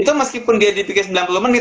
itu meskipun dia dipikir sembilan puluh menit